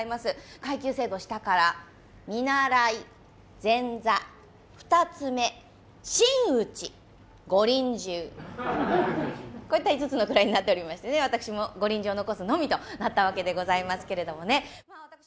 階級制度、下から見習い、前座、二つ目、真打ち、御臨終、こういった５つの位になっていまして私も御臨終を残すのみとなったんですけどね。